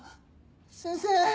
先生。